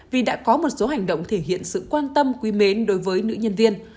vì đã có một số hành động thể hiện sự quan tâm quý mến đối với nữ nhân viên